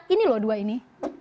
ini loh dua ini